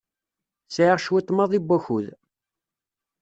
Sɛiɣ cwiṭ maḍi n wakud.